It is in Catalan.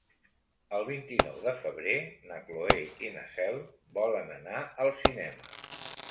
El vint-i-nou de febrer na Cloè i na Cel volen anar al cinema.